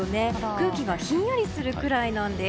空気がひんやりするくらいなんです。